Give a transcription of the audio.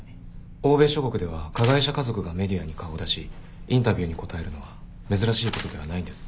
欧米諸国では加害者家族がメディアに顔を出しインタビューに答えるのは珍しいことではないんです。